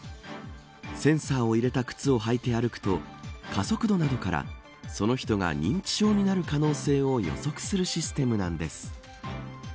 センサーを入れた靴を履いて歩くと加速度などからその人が認知症になる可能性を予測するシステムなんです。